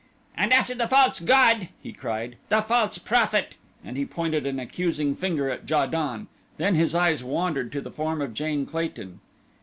"And after the false god," he cried, "the false prophet," and he pointed an accusing finger at Ja don. Then his eyes wandered to the form of Jane Clayton.